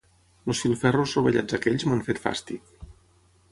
Els filferros rovellats aquells m'han fet fàstic.